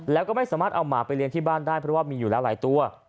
แล้วก็ไม่สามารถเอาหมาไปเลี้ยงที่บ้านได้เพราะว่ามีอยู่แล้วหลายตัว